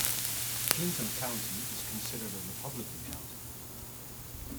Clinton County is considered a Republican county.